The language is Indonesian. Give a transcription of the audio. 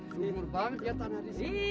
sungguh banget ya tanah disini